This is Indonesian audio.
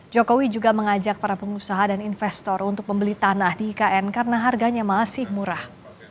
jokowi juga mengajak para pengusaha dan investor untuk membeli tanah di ikn karena harganya masih murah